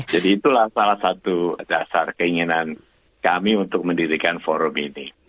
itulah salah satu dasar keinginan kami untuk mendirikan forum ini